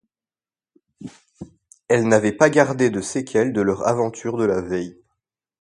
Elle n’avait pas gardé de séquelles de leur aventures de la veille.